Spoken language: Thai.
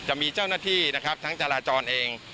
จะมีเจ้าหน้าที่นะครับทั้งจราจรเอง